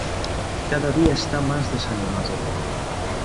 Cada día está más desanimado.